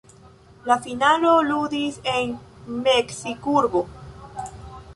La finalo ludis en Meksikurbo.